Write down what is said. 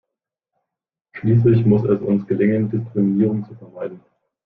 Schließlich muss es uns gelingen, Diskriminierungen zu vermeiden.